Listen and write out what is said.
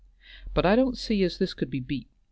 But I don't see as this could be beat.